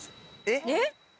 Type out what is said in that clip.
えっ？